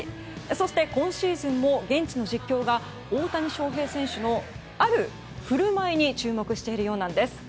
そして、今シーズンも現地の実況が大谷翔平選手のある振る舞いに注目しているようなんです。